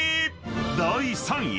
［第３位］